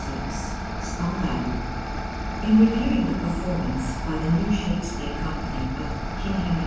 246 STENDHAL In reviewing the perlonnance by the New Shake speare Company of King Henry V.